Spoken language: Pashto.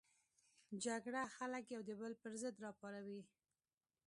جګړه خلک یو د بل پر ضد راپاروي